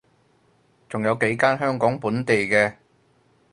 仲有幾間香港本地嘅